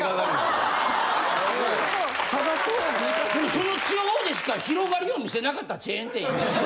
その地方でしか広がりを見せなかったチェーン店やで？